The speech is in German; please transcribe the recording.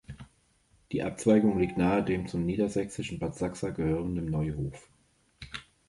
Die Abzweigung liegt nahe dem zum niedersächsischen Bad Sachsa gehörenden Neuhof.